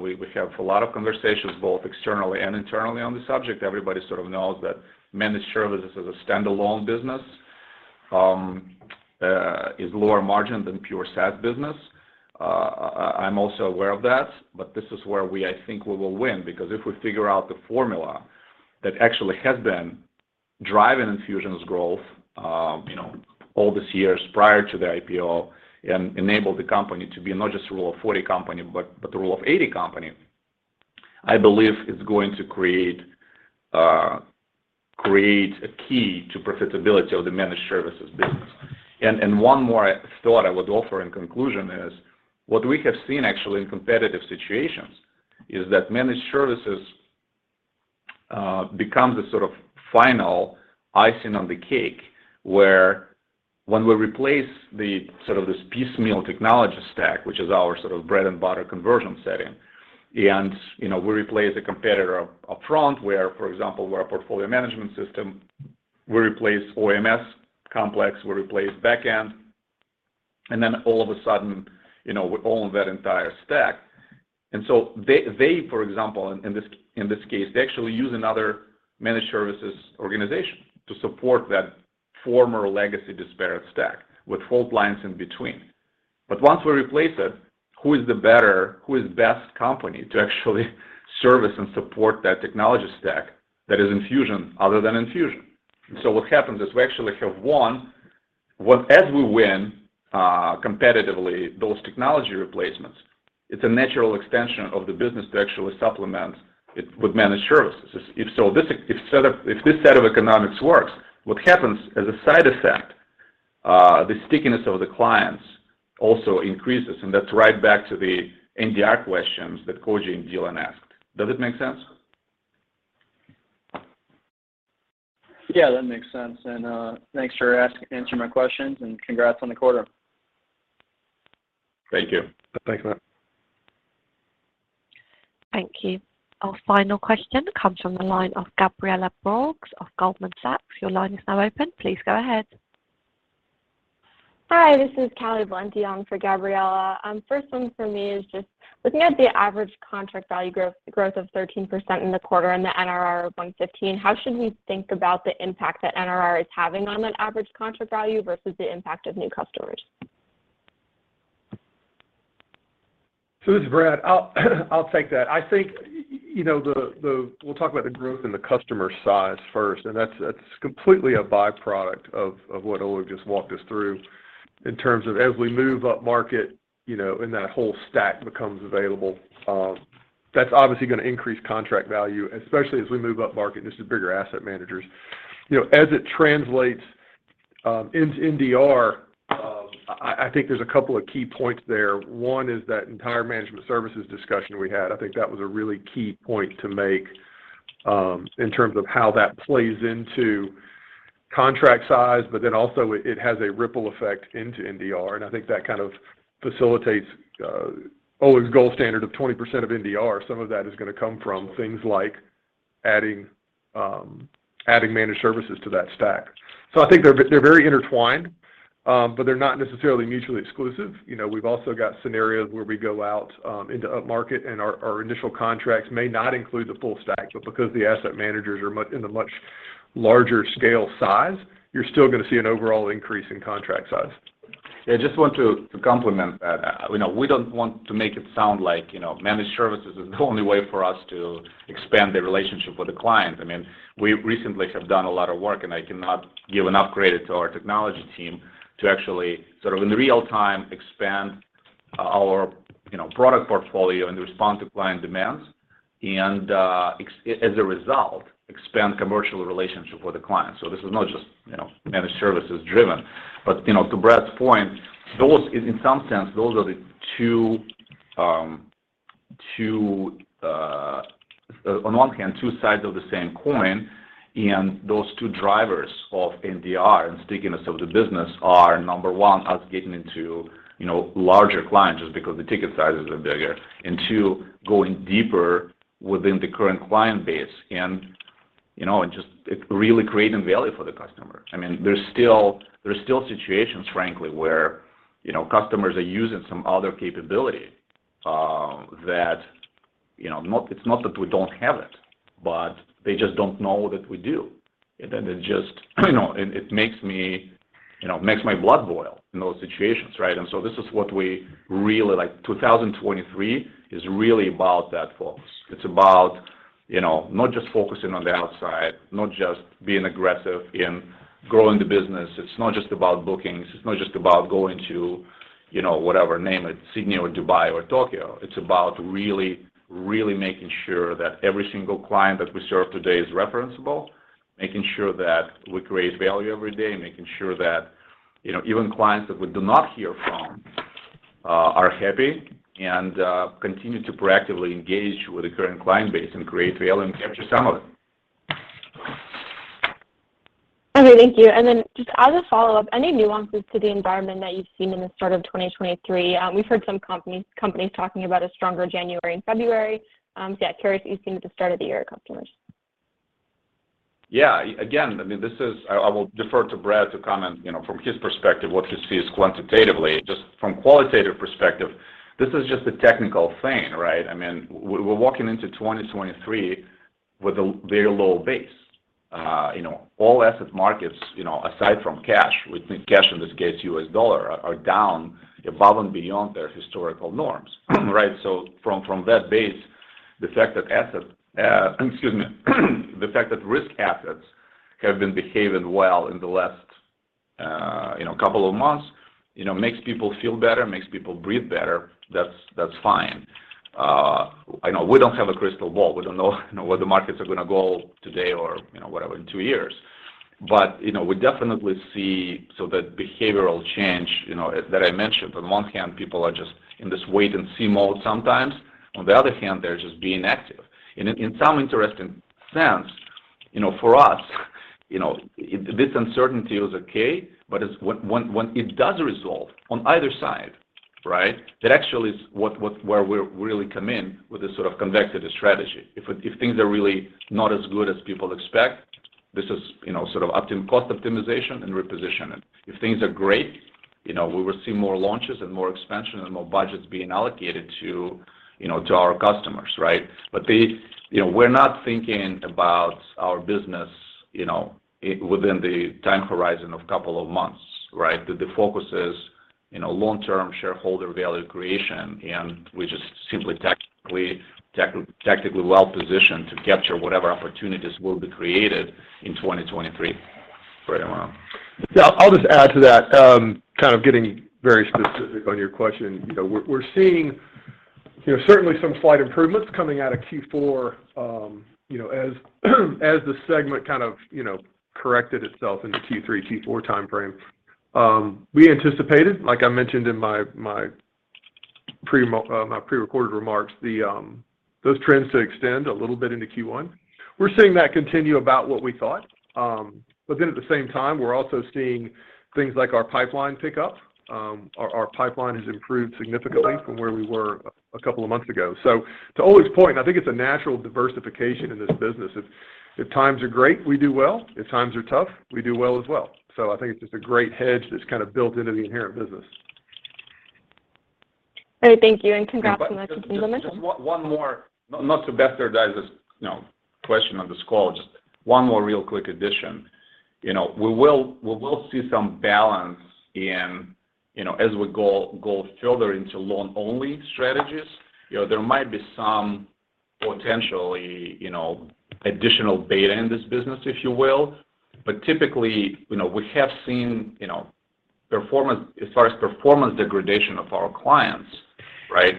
We have a lot of conversations both externally and internally on the subject. Everybody sort of knows that managed services as a standalone business is lower margin than pure SaaS business. I'm also aware of that, but this is where we, I think we will win because if we figure out the formula that actually has been driving Enfusion's growth, you know, all these years prior to the IPO and enabled the company to be not just a Rule of 40 company, but a Rule of 80 company, I believe it's going to create a key to profitability of the managed services business. One more thought I would offer in conclusion is what we have seen actually in competitive situations is that managed services becomes a sort of final icing on the cake where when we replace the sort of this piecemeal technology stack, which is our sort of bread and butter conversion setting, and, you know, we replace a competitor up front where, for example, where our portfolio management system, we replace OMS complex, we replace back end, and then all of a sudden, you know, we own that entire stack. So they, for example, in this, in this case, they actually use another managed services organization to support that former legacy disparate stack with fault lines in between. Once we replace it, who is best company to actually service and support that technology stack that is Enfusion other than Enfusion? What happens is we actually have won. When as we win, competitively those technology replacements. It's a natural extension of the business to actually supplement it with managed services. If this set of economics works, what happens as a side effect, the stickiness of the clients also increases, and that's right back to the NDR questions that Koji and Dylan asked. Does it make sense? Yeah, that makes sense. Thanks for answering my questions, and congrats on the quarter. Thank you. Thanks, Matt. Thank you. Our final question comes from the line of Gabriela Borges of Goldman Sachs. Your line is now open. Please go ahead. Hi, this is Callie Valenti on for Gabriela. First one for me is just looking at the average contract value growth of 13% in the quarter and the NRR of 115%, how should we think about the impact that NRR is having on that average contract value versus the impact of new customers? This is Brad. I'll take that. I think, you know, we'll talk about the growth in the customer size first, and that's completely a by-product of what Oleg just walked us through in terms of as we move up market, you know, and that whole stack becomes available, that's obviously gonna increase contract value, especially as we move up market into bigger asset managers. You know, as it translates into NDR, I think there's a couple of key points there. One is that entire management services discussion we had. I think that was a really key point to make in terms of how that plays into contract size, also it has a ripple effect into NDR, and I think that kind of facilitates Oleg's goal standard of 20% of NDR. Some of that is gonna come from things like adding managed services to that stack. I think they're very intertwined, but they're not necessarily mutually exclusive. You know, we've also got scenarios where we go out, into upmarket and our initial contracts may not include the full stack, but because the asset managers are in the much larger scale size, you're still gonna see an overall increase in contract size. Just want to complement that. You know, we don't want to make it sound like, you know, managed services is the only way for us to expand the relationship with the client. I mean, we recently have done a lot of work, I cannot give enough credit to our technology team to actually sort of in real time expand our, you know, product portfolio and respond to client demands as a result, expand commercial relationship with the client. This is not just, you know, managed services driven. You know, to Brad's point, those in some sense, those are the two on one hand, two sides of the same coin, and those two drivers of NDR and stickiness of the business are, number one, us getting into, you know, larger clients just because the ticket sizes are bigger, and two, going deeper within the current client base. And, you know, and just really creating value for the customer. I mean, there's still situations, frankly, where, you know, customers are using some other capability, that, you know, it's not that we don't have it, but they just don't know that we do. And then they just, you know, and it makes me, you know, makes my blood boil in those situations, right? This is what we really like, 2023 is really about that focus. It's about, you know, not just focusing on the outside, not just being aggressive in growing the business. It's not just about bookings. It's not just about going to, you know, whatever, name it, Sydney or Dubai or Tokyo. It's about really, really making sure that every single client that we serve today is referenceable, making sure that we create value every day, making sure that, you know, even clients that we do not hear from, are happy and continue to proactively engage with the current client base and create value and capture some of it. Okay, thank you. Then just as a follow-up, any nuances to the environment that you've seen in the start of 2023? We've heard some companies talking about a stronger January and February. yeah, curious how you've seen at the start of the year customers? Yeah. Again, I mean, this is. I will defer to Brad to comment, you know, from his perspective what he sees quantitatively. Just from qualitative perspective, this is just a technical thing, right? I mean, we're walking into 2023 with a very low base. You know, all asset markets, you know, aside from cash, we think cash in this case U.S. dollar, are down above and beyond their historical norms, right? From that base, the fact that asset, excuse me, the fact that risk assets have been behaving well in the last, you know, couple of months, you know, makes people feel better, makes people breathe better. That's fine. I know we don't have a crystal ball. We don't know where the markets are gonna go today or, you know, whatever, in two years. You know, we definitely see. So the behavioral change, you know, that I mentioned, on one hand, people are just in this wait and see mode sometimes. On the other hand, they're just being active. In some interesting sense, you know, for us, you know, this uncertainty is okay, but when it does resolve on either side, right? That actually is what where we really come in with this sort of convected strategy. If things are really not as good as people expect, this is, you know, sort of cost optimization and repositioning. If things are great, you know, we will see more launches and more expansion and more budgets being allocated to, you know, to our customers, right? You know, we're not thinking about our business, you know, within the time horizon of couple of months, right? The focus is, you know, long-term shareholder value creation, and we're just simply tactically well positioned to capture whatever opportunities will be created in 2023. Right on. Yeah, I'll just add to that, kind of getting very specific on your question. We're seeing certainly some slight improvements coming out of Q4, as the segment kind of corrected itself in the Q3, Q4 timeframe. We anticipated, like I mentioned in my pre-recorded remarks, those trends to extend a little bit into Q1. We're seeing that continue about what we thought. At the same time, we're also seeing things like our pipeline pick up. Our pipeline has improved significantly from where we were a couple of months ago. To Oleg's point, I think it's a natural diversification in this business. If times are great, we do well. If times are tough, we do well as well. I think it's just a great hedge that's kind of built into the inherent business. All right. Thank you, and congrats so much on the momentum. Just one more. Not to bastardize this, you know, question on this call, just one more real quick addition. You know, we will see some balance in, you know, as we go further into loan-only strategies. You know, there might be some potentially, you know, additional data in this business, if you will. Typically, you know, we have seen, you know, performance, as far as performance degradation of our clients, right?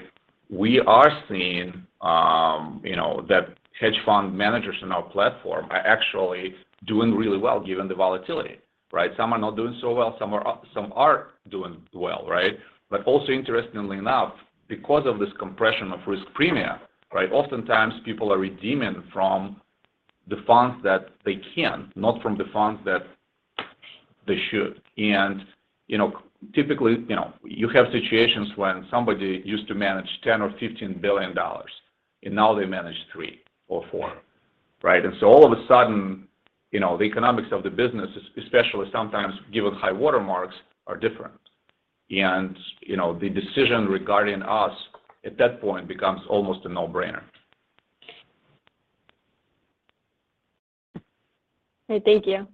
We are seeing, you know, that hedge fund managers in our platform are actually doing really well, given the volatility, right? Some are not doing so well, some are doing well, right? Also, interestingly enough, because of this compression of risk premia, right, oftentimes people are redeeming from the funds that they can, not from the funds that they should. You know, typically, you know, you have situations when somebody used to manage $10 billion or $15 billion, and now they manage $3 billion or $4 billion, right? All of a sudden, you know, the economics of the business, especially sometimes given high-water marks, are different. You know, the decision regarding us at that point becomes almost a no-brainer. All right. Thank you.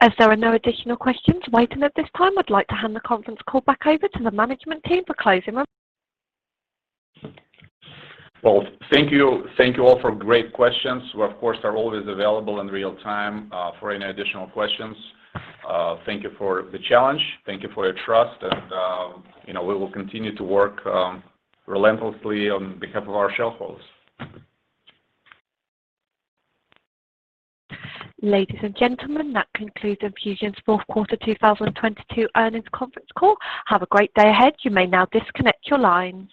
As there are no additional questions waiting at this time, I'd like to hand the conference call back over to the management team for closing remarks. Well, thank you, thank you all for great questions. We, of course, are always available in real time, for any additional questions. Thank you for the challenge. Thank you for your trust. You know, we will continue to work relentlessly on behalf of our shareholders. Ladies and gentlemen, that concludes Enfusion's fourth quarter 2022 earnings conference call. Have a great day ahead. You may now disconnect your lines.